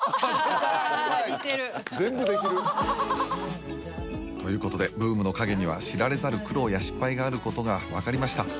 出たうまい全部できるということでブームの陰には知られざる苦労や失敗があることが分かりました